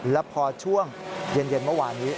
แล้วพอช่วงเย็นเมื่อวานนี้